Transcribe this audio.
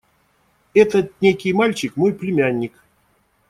– Этот некий мальчик – мой племянник.